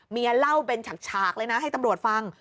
เมียเล่าเป็นฉากเลยนะให้ตำรวจฟัง